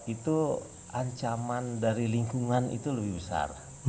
itu ancaman dari lingkungan itu lebih besar